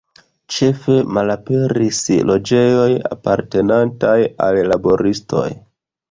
Ĉefe malaperis loĝejoj apartenantaj al laboristoj.